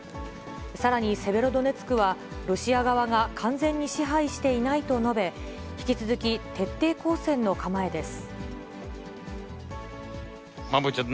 さらにセベロドネツクは、ロシア側が完全に支配していないと述べ、引き続き徹底抗戦の構えです。